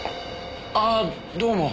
ああどうも。